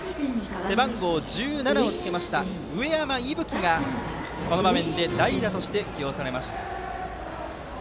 背番号１７をつけた上山夢季がこの場面で代打として起用されました。